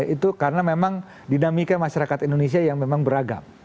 itu karena memang dinamika masyarakat indonesia yang memang beragam